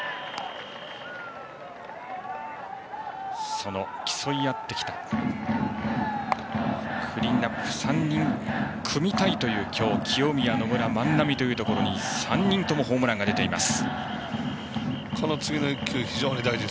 その競い合ってきたクリーンナップを３人組みたいという今日、清宮、野村、万波３人ともホームランが出ています。